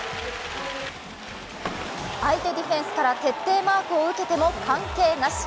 相手ディフェンスから徹底マークを受けても関係なし。